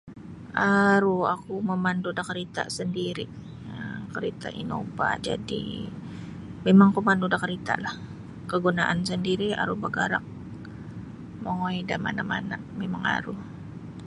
Aru oku mamandu da karita sandiri um karita Innova jadi mimang oku mamandun da karitalah kagunaan sandiri aru bagarak mongoi da mana-mana minang aru.